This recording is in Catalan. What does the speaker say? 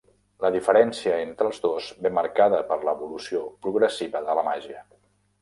La diferència entre els dos ve marcada per l'evolució progressiva de la màgia.